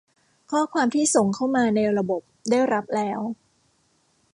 ข้อความที่ส่งเข้ามาในระบบได้รับแล้ว